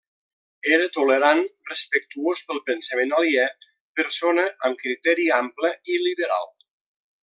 Era tolerant, respectuós pel pensament aliè, persona amb criteri ample i liberal.